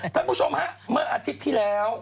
ท่านผู้ชมฮะเมื่ออาทิตย์ที่แล้ว